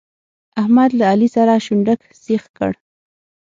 احمد له علي سره شونډک سيخ کړ.